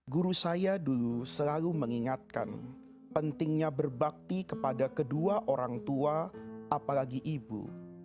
guru saya dulu selalu mengingatkan pentingnya berbakti kepada kedua orang tua apalagi ibu